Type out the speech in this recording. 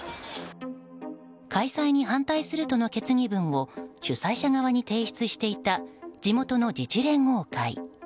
開催に反対するとの決議文を主催者側に提出していた地元の自治連合会。